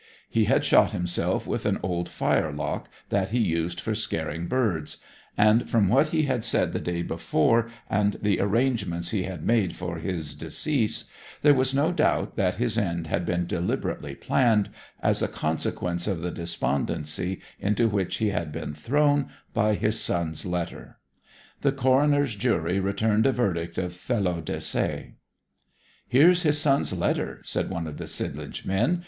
He had shot himself with an old firelock that he used for scaring birds; and from what he had said the day before, and the arrangements he had made for his decease, there was no doubt that his end had been deliberately planned, as a consequence of the despondency into which he had been thrown by his son's letter. The coroner's jury returned a verdict of felo de se. 'Here's his son's letter,' said one of the Sidlinch men.